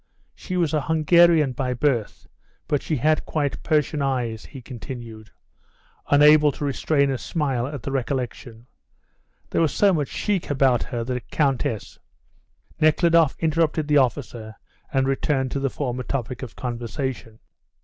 She was a Hungarian by birth, but she had quite Persian eyes," he continued, unable to restrain a smile at the recollection; "there was so much chic about her that a countess " Nekhludoff interrupted the officer and returned to the former topic of conversation.